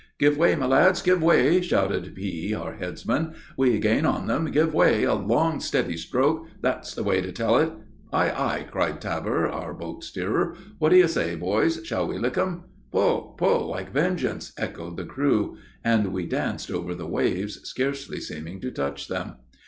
"Give way, my lads, give way!" shouted P , our headsman; "we gain on them; give way! A long, steady stroke! That's the way to tell it!" "Ay, ay!" cried Tabor, our boat steerer. "What do you say, boys? Shall we lick 'em?" "Pull! pull like vengeance!" echoed the crew; and we danced over the waves, scarcely seeming to touch them.